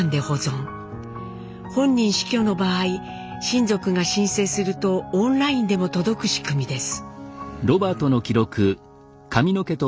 本人死去の場合親族が申請するとオンラインでも届く仕組みです。